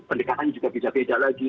pendekatan juga bisa beda lagi